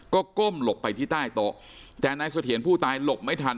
ก็ก้มหลบไปที่ใต้โต๊ะแต่นายเสถียรผู้ตายหลบไม่ทัน